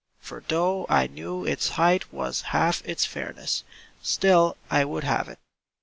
For though I knew its height was half its fairness, Still I would have It.